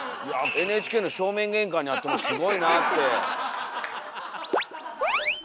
ＮＨＫの正面玄関にあってもすごいなって。